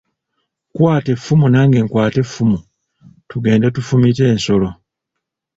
Kwata effumu nange nkwate effumu tugende tufumite ensolo.